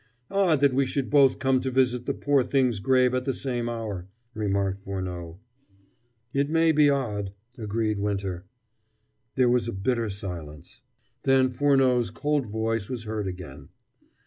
"Odd that we should both come to visit the poor thing's grave at the same hour," remarked Furneaux. "It may be odd," agreed Winter. There was a bitter silence. Then Furneaux's cold voice was heard again.